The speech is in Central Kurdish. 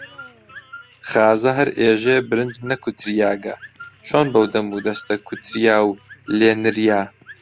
خازە هەر ئێژێ برنج نەکوتریاگە، چۆن بەو دەمودەستە کوتریا و لێ نریا؟